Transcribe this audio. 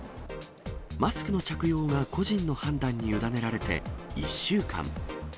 マスクの着用が個人の判断に委ねられて１週間。